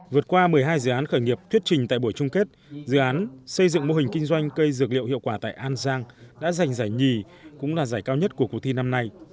vượt qua một mươi hai dự án khởi nghiệp thuyết trình tại buổi chung kết dự án xây dựng mô hình kinh doanh cây dược liệu hiệu quả tại an giang đã giành giải nhì cũng là giải cao nhất của cuộc thi năm nay